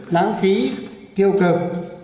nãng phí tiêu cực